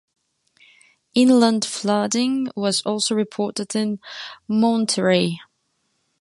Inland flooding was also reported in Monterrey.